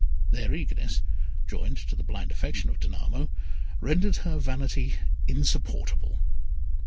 Their eagerness, joined to the blind affection of Danamo, rendered her vanity insupportable.